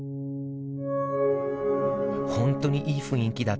本当にいい雰囲気だったよね